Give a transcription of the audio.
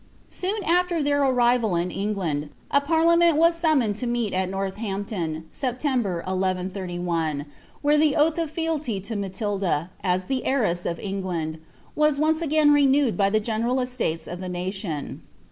Soon after their arrival in England, a parliament was summoned to meet at Northampton, September, 1131, where the oath of fealty to Matilda, as the heiress of England, was again renewed by the general estates of the nation.'